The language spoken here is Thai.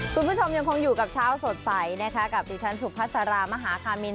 คุณผู้ชมยังคงอยู่กับเช้าสดใสนะคะกับดิฉันสุภาษารามหาคามิน